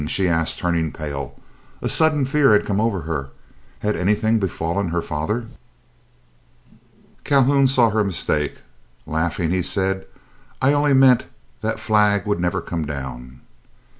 she asked, turning pale. A sudden fear had come over her; had anything befallen her father? Calhoun saw her mistake. Laughing, he said, "I only meant that flag would never come down."